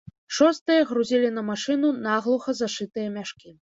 Шостыя грузілі на машыну наглуха зашытыя мяшкі.